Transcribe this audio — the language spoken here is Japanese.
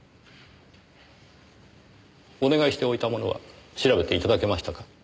お願いしておいたものは調べて頂けましたか？